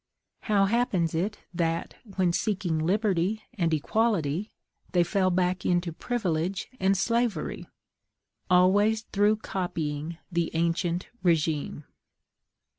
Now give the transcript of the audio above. How happens it that, when seeking liberty and equality, they fell back into privilege and slavery? Always through copying the ancient regime.